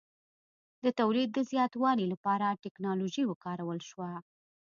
د تولید د زیاتوالي لپاره ټکنالوژي وکارول شوه.